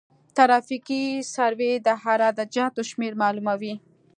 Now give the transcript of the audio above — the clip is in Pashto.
ترافیکي سروې د عراده جاتو شمېر معلوموي